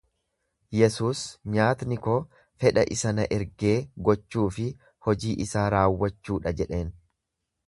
Yesuus, Nyaatni koo fedha isa na ergee gochuu fi hojii isaa raawwachuu dha jedheen.